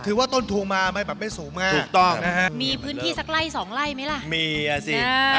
คือว่าต้นถูงมาไม่สูงไง